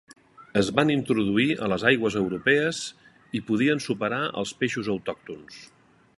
Es van introduir a les aigües europees i podien superar els peixos autòctons.